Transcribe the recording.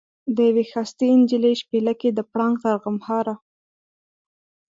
د یوې ښایستې نجلۍ شپېلکی د پړانګ تر غړمبهاره.